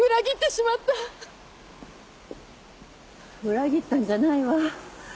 裏切ったんじゃないわ。